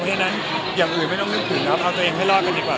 เพราะฉะนั้นอย่างอื่นไม่ต้องนึกถึงครับเอาตัวเองให้รอดกันดีกว่า